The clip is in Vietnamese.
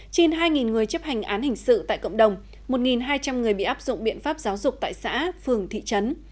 trên hai người chấp hành án hình sự tại cộng đồng một hai trăm linh người bị áp dụng biện pháp giáo dục tại xã phường thị trấn